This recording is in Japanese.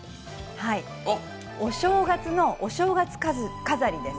お正月のお正月飾りです。